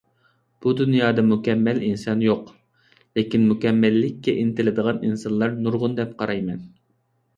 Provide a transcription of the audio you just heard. بۇ دۇنيادا مۇكەممەل ئىنسان يوق، لېكىن مۇكەممەللىككە ئىنتىلىدىغان ئىنسانلار نۇرغۇن دەپ قارايمەن.